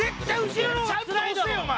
ちゃんと押せよお前！